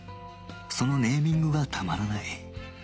そのネーミングがたまらない